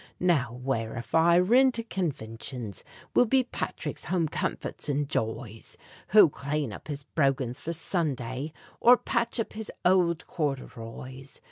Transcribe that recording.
Now where, if I rin to convintions, Will be Patrick's home comforts and joys? Who'll clane up his broghans for Sunday, Or patch up his ould corduroys.